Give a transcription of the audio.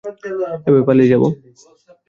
এভাবে পালিয়ে যাব?